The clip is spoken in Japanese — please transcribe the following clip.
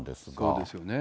そうですよね。